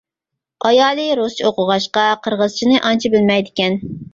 ئايالى رۇسچە ئوقۇغاچقا قىرغىزچىنى ئانچە بىلمەيدىكەن.